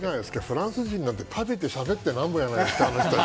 フランス人なんて食べてしゃべってなんぼじゃないですか。